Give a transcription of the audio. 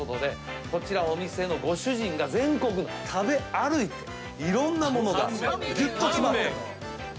こちらお店のご主人が全国食べ歩いていろんなものがぎゅっと詰まってる。